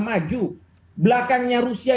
maju belakangnya rusia